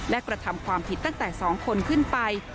และกระทำความผิดตั้งแต่๒คนขึ้นไป